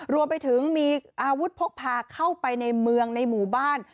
รวมไปถึงมีอาวุธพกพาเข้าไปในเมืองในหมู่บ้าน